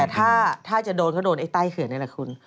แต่ถ้าจะโดนก็โดนไอ้ใต้เขื่อนนี่แหละคุณ